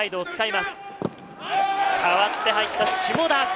代わって入った下田。